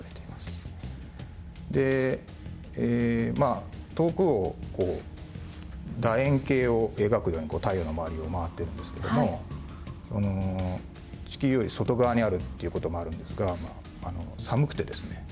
で遠くを楕円形を描くように太陽の周りを回っているんですけども地球より外側にあるっていう事もあるんですが寒くてですね